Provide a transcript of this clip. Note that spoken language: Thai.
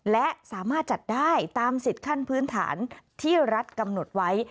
และสามารถจัดได้ตามสิทธิ์ขั้นพื้นฐานที่รัฐกำหนดไว้